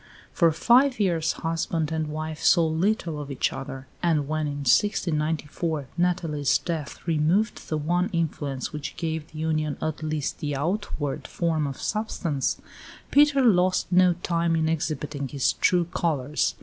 For five years husband and wife saw little of each other; and when, in 1694, Nathalie's death removed the one influence which gave the union at least the outward form of substance, Peter lost no time in exhibiting his true colours.